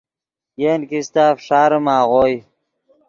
ین کیستہ فݰاریم آغوئے۔